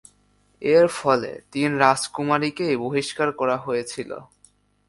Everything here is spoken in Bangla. এর ফলে, তিন রাজকুমারীকেই বহিষ্কার করা হয়েছিল।